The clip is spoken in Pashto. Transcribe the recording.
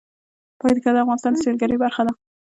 پکتیکا د افغانستان د سیلګرۍ برخه ده.